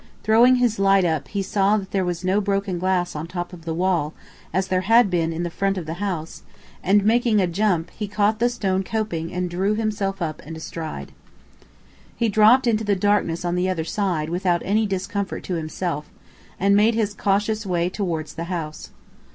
Throwing his light up, he saw that there was no broken glass on top of the wall, as there had been in the front of the house, and, making a jump, he caught the stone coping and drew himself up and astride. He dropped into the darkness on the other side without any discomfort to himself, and made his cautious way towards the house.